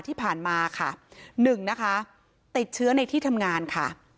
ที่ผ่านมาค่ะหนึ่งนะคะติดเชื้อในที่ทำงานค่ะ